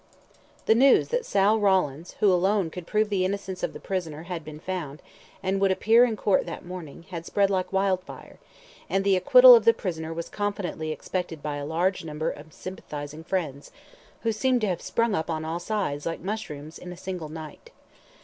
The news that Sal Rawlins, who alone could prove the innocence of the prisoner, had been found, and would appear in Court that morning, had spread like wildfire, and the acquittal of the prisoner was confidently expected by a large number of sympathising friends, who seemed to have sprung up on all sides, like mushrooms, in a single night.